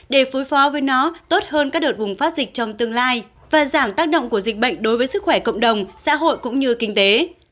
để phối phó với nó tốt hơn các đợt bùng phát dịch trong tương lai và giảm tác động của dịch bệnh đối với sức khỏe cộng đồng xã hội cũng như kinh tế